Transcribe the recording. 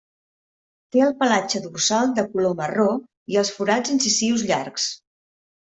Té el pelatge dorsal de color marró i els forats incisius llargs.